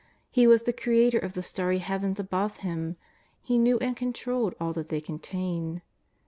He was the Creator of the starry heavens above Him. He knew and controlled all that they contain.